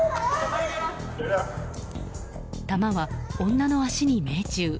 弾は女の足に命中。